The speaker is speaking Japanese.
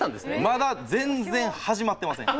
まだ全然始まってません。